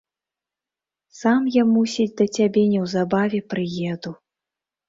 Сам я, мусіць, да цябе неўзабаве прыеду.